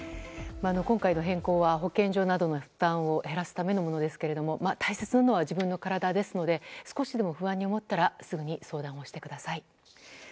今回の変更は保健所などの負担を減らすためのものですけども大切なのは自分の体ですので少しでも不安に思ったらすぐに相談をしてください。